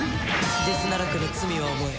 デズナラクの罪は重い。